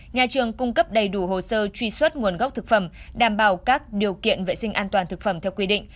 nhà trường cung cấp đầy đủ hồ sơ truy xuất nguồn gốc thực phẩm đảm bảo các điều kiện vệ sinh an toàn thực phẩm theo quy định